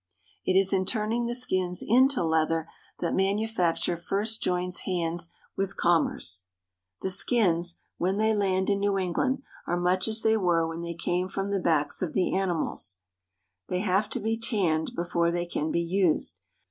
It is in turning the skins into leather that manufacture first joins hands with commerce. The skins, when they Interior of a Shoe Shop, Lynn. land in New England, are much as they were when they came from tRe backs of the animals. They have to be tanned before they can be used.